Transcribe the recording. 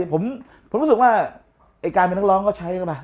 ผมรู้สึกว่าไอ้การเป็นนักร้องเขาใช้เข้ามา